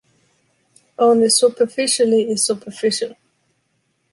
Only superficially is superficial.